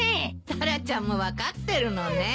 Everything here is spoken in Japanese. タラちゃんも分かってるのね。